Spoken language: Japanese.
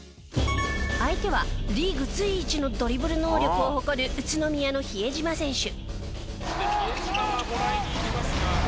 相手はリーグ随一のドリブル能力を誇る宇都宮の比江島選手。